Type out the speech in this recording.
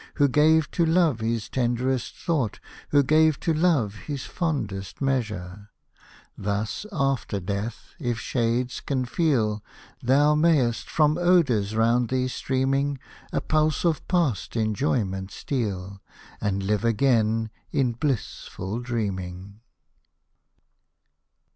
Who gave to love his tenderest thought, Who gave to love his fondest measure, — Thus, after death, if shades can feel. Thou may'st, from odours round thee streaming, A pulse of past enjoyment steal, And live again in blissful dreaming